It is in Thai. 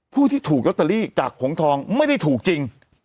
ผู้ที่ถูกลอตเตอรี่จากหงทองไม่ได้ถูกจริง